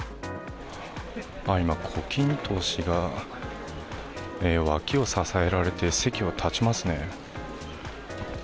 今、胡錦濤氏が、脇を支えられて席を立ちますね。